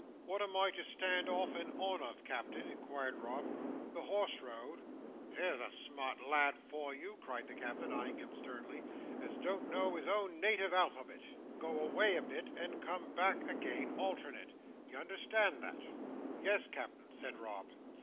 "What am I to stand off and on of, Captain?" inquired Rob. "The horse road?" "Here's a smart lad for you!" cried the Captain eyeing him sternly, "as don't know his own native alphabet! Go away a bit and come back again alternate—d'ye understand that?" "Yes, Captain," said Rob.